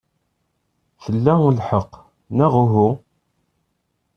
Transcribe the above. Tla lḥeqq, neɣ uhu?